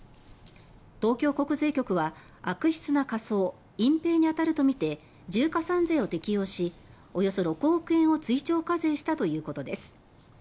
東京国税局は悪質な仮装・隠ぺいに当たるとみて重加算税を適用しおよそ６億円を追徴課税したということです。